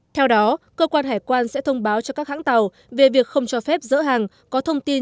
theo đó cơ quan hải quan sẽ thông báo cho các hãng tàu về việc không cho phép dỡ hàng có thông tin